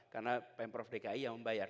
karena pemerintah dki yang membayar